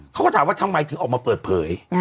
เขาก็ถามว่าทำไมถึงออกมาเปิดเผย